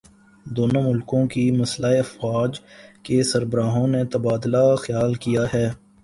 دونوں ملکوں کی مسلح افواج کے سربراہوں نے تبادلہ خیال کیا ہے